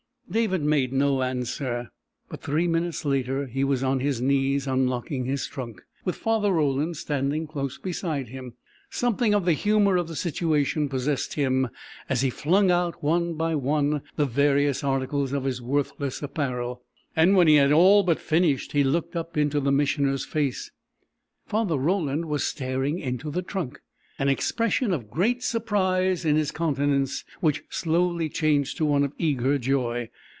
David made no answer, but three minutes later he was on his knees unlocking his trunk, with Father Roland standing close beside him. Something of the humour of the situation possessed him as he flung out, one by one, the various articles of his worthless apparel, and when he had all but finished he looked up into the Missioner's face. Father Roland was staring into the trunk, an expression of great surprise in his countenance which slowly changed to one of eager joy.